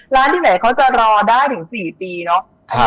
ที่ไหนเขาจะรอได้ถึง๔ปีเนาะ